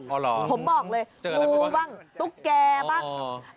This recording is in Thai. อ๋อเหรอผมบอกเลยอู้บ้างตุ๊กแกบ้าง